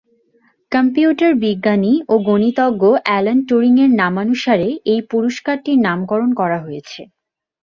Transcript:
Computer বিজ্ঞানী ও গণিতজ্ঞ অ্যালান টুরিং-এর নামানুসারে এই পুরস্কারটির নামকরণ করা হয়েছে।